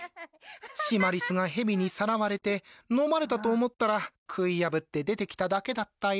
シマリスが蛇にさらわれてのまれたと思ったら食い破って出てきただけだったよ。